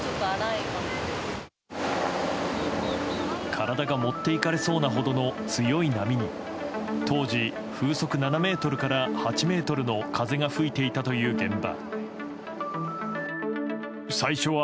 体が持っていかれそうなほどの強い波に当時風速７メートルから８メートルの風が吹いていたという現場。